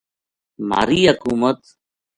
مھاری حکومت